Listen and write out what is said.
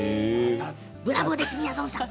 ブラボーです、みやぞんさん。